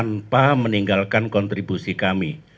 tanpa meninggalkan kontribusi kami